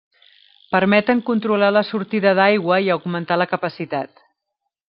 Permeten controlar la sortida d'aigua i augmentar la capacitat.